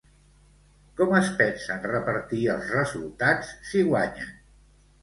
Com es pensen repartir els resultats si guanyen?